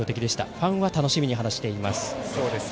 ファンは楽しみに話をしています。